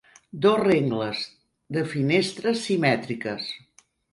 Dos rengles de finestres simètriques